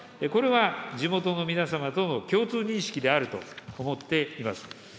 これは地元の皆様との共通認識であると思っています。